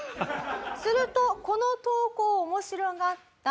するとこの投稿を面白がった。